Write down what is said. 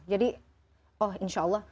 jadi oh insya allah